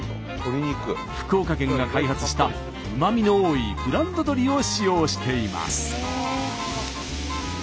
福岡県が開発したうまみの多いブランド鶏を使用しています。